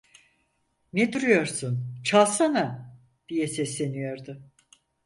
Ne duruyorsun; çalsana! diye sesleniyordu.